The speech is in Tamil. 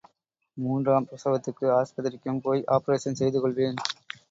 மூன்றாம் பிரசவத்துக்கு ஆஸ்பத்திரிக்கும் போய் ஆப்பரேஷன் செய்து கொள்வேன்.